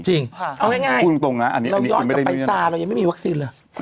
จริงเอาง่ายเรายอดกลับไปซาเรายังไม่มีวัคซีนหรือ